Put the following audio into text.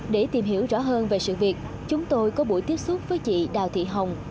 để tìm hiểu rõ hơn về sự việc chúng tôi có buổi tiếp xúc với chị đào thị hồng